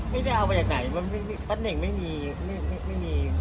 ไม่ได้เอามาอย่างไหนมันไม่มีคำนึนอย่างไงไม่มีไม่มี